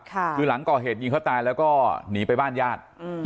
คือหลังก่อเหตุยิงเขาตายแล้วก็หนีไปบ้านญาติ